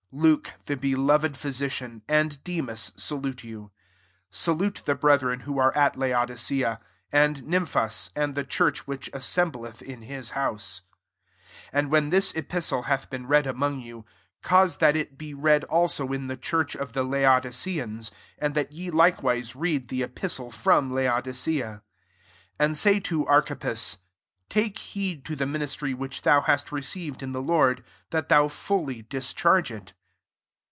14 Luke> the beloved . physician, and Demas, salute you. 15 Salute the brethren, who are at Laodicea; and Nymphas, and. the church which asaembltth in his house. 16 And when this epistle hath been read among you, cause that it be read also in the church of the Luodiceans ; and that ye likewise read the efiutie from Laodicea. 17 And say to Archippus ; "Take heed to the ministry which thou hast received ii\ the I iord, that thou fully discliarge it."